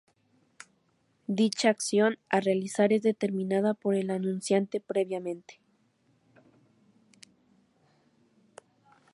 Dicha acción a realizar es determinada por el anunciante previamente.